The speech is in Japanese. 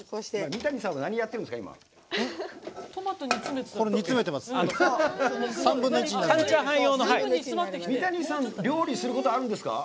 三谷さん、料理することあるんですか？